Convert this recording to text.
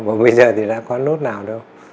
bảo bây giờ thì đã có nốt nào đâu